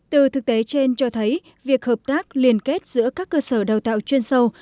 từ thực tế trên cho thấy việc hợp tác liên kết giữa các cơ sở đào tạo chuyên sâu